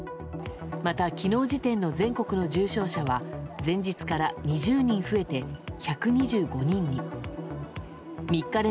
また、昨日時点の全国の重症者は前日から２０人増えて１２５人に。